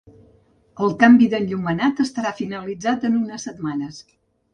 El canvi de l’enllumenat estarà finalitzat en unes setmanes.